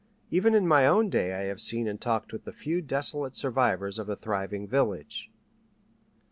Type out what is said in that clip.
Even in my own day I have seen and talked with the few desolate survivors of a thriving village.